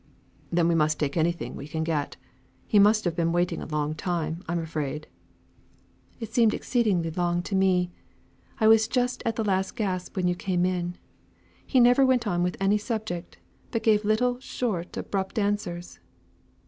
"Then we must take anything we can get. He must have been waiting a long time I'm afraid." "It seemed exceedingly long to me. I was just at the last gasp when you came in. He never went on with any subject, but gave little, short, abrupt answers."